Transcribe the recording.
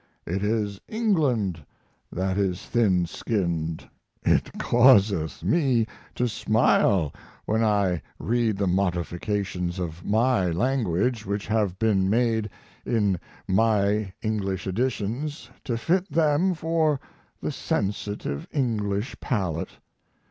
It is England that is thin skinned. It causeth me to smile when I read the modifications of my language which have been made in my English editions to fit them for the sensitive English palate.